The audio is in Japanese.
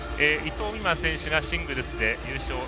伊藤美誠選手がシングルスで優勝。